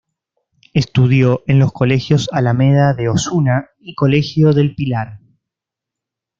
Estudió en los colegios Alameda de Osuna y Colegio del Pilar.